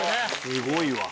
すごいわ。